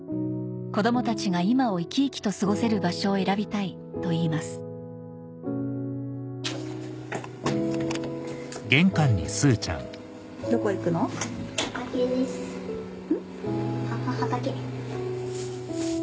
「子供たちが今を生き生きと過ごせる場所を選びたい」と言います畑です。